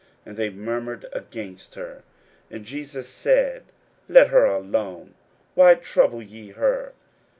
And they murmured against her. 41:014:006 And Jesus said, Let her alone; why trouble ye her?